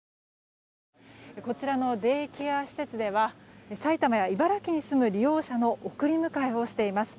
こちらのデイケア施設では埼玉や茨城に住む利用者の送り迎えをしています。